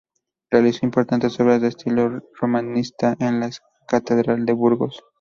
Realizó importantes obras de estilo romanista en la catedral de Burgos.